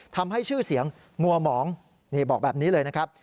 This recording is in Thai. ทำให้ชื่อเสียงมัวหมองนี่บอกแบบนี้เลยนะครับ